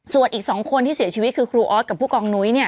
ส่วนอีก๒คนที่เสียชีวิตคือครูออสกับผู้กองนุ้ยเนี่ย